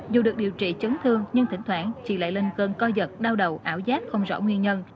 dù được điều trị chấn thương nhưng thỉnh thoảng chỉ lại lên cơn coi giật đau đầu ảo giác không rõ nguyên nhân